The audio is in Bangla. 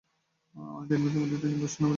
তিন মাসের মধ্যে তিনি "বোস্টন আমেরিকান"-এ যোগ দেন।